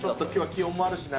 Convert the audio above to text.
気温もあるしな。